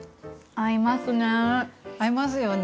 合いますよね。